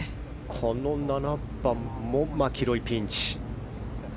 この７番もマキロイ、ピンチ。